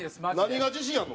何が自信あるの？